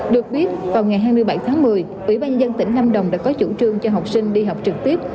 được biết vào ngày hai mươi bảy tháng một mươi ủy ban nhân dân tỉnh lâm đồng đã có chủ trương cho học sinh đi học trực tiếp